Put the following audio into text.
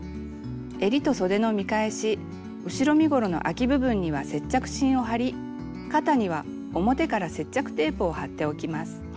えりとそでの見返し後ろ身ごろのあき部分には接着芯を貼り肩には表から接着テープを貼っておきます。